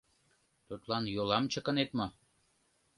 Тудлан йолам чыкынет мо?